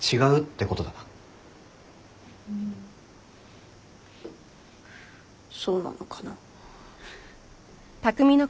うんそうなのかな。